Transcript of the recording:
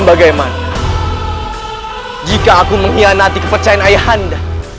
bagaimana jika aku mengkhianati kepercayaan ayah anda